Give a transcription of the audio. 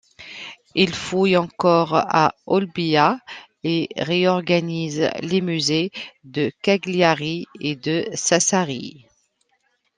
Il fouille encore à Olbia et réorganise les musées de Cagliari et de Sassari.